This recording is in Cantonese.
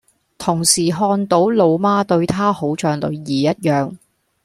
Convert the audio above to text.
同時看到老媽對她好像女兒一樣